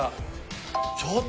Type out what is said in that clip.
ちょっと。